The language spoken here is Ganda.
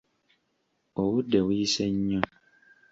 Obudde buyise nnyo.